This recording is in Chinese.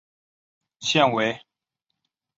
现为国定古迹。